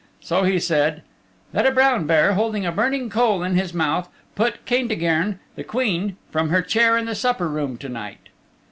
So he said, "Let a brown bear, holding a burning coal in his mouth, put Caintigern the Queen from her chair in the supper room to night."